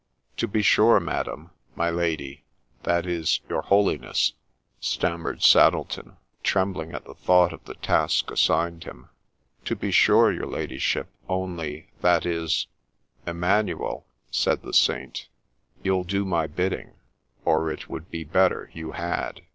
' To be sure, madam, — my lady, — that is, your holiness,' stammered Saddleton, trembling at the thought of the task assigned him. ' To be sure, your ladyship ; only — that is —'' Emmanuel,' said the saint, ' you'll do my bidding ; or it would be better you had